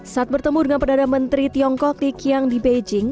saat bertemu dengan perdana menteri tiongkok di kiang di beijing